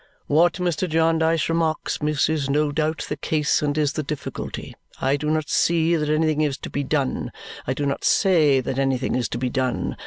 "What Mr. Jarndyce remarks, miss, is no doubt the case, and is the difficulty. I do not see that anything is to be done. I do not say that anything is to be done.